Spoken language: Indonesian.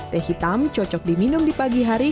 teh hitam cocok diminum di pagi hari